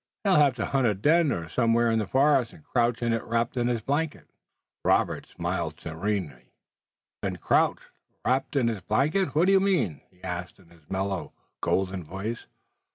He'll have to hunt a den somewhere in the forest and crouch in it wrapped in his blanket." Robert smiled serenely. "Den! Crouch! Wrapped in his blanket! What do you mean?" he asked in his mellow, golden voice.